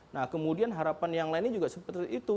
nah kemudian harapan yang lainnya juga seperti itu